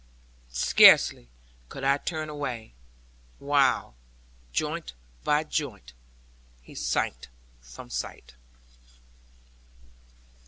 Scarcely could I turn away, while, joint by joint, he sank from sight.